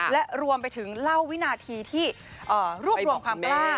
และรวมไปถึงเล่าวินาทีที่รวบรวมความกล้า